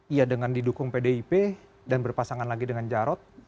iya dengan didukung pdip dan berpasangan lagi dengan jarod